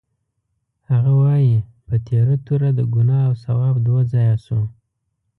هغه وایي: په تېره توره د ګناه او ثواب دوه ځایه شو.